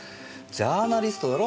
ジャーナリストだろ？